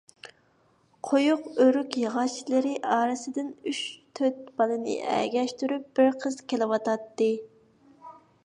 قويۇق ئۆرۈك ياغاچلىرى ئارىسىدىن ئۈچ-تۆت بالىنى ئەگەشتۈرۈپ، بىر قىز كېلىۋاتاتتى.